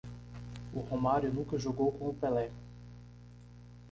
O Romário nunca jogou com o Pelé.